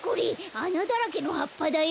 あなだらけのはっぱだよ！